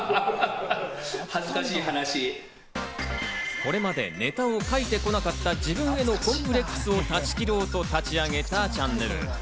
これまでネタを書いてこなかった自分へのコンプレックスを断ち切ろうと立ち上げたチャンネル。